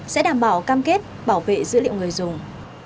sẽ đảm bảo cam kết bảo vệ dữ liệu người dùng